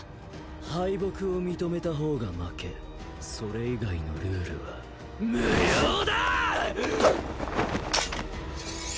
敗北を認めた方が負けそれ以外のルールは無用だ！